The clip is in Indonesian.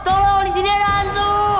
tolong disini ada hantu